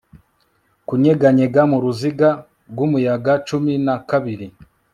kunyeganyega mu ruziga rw'umuyaga cumi na kabiri